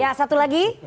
ya satu lagi